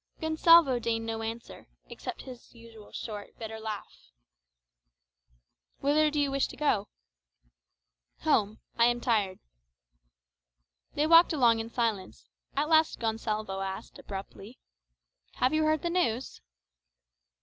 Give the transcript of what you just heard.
Gonsalvo deigned no answer, except his usual short, bitter laugh. "Whither do you wish to go?" "Home. I am tired." They walked along in silence; at last Gonsalvo asked, abruptly, "Have you heard the news?"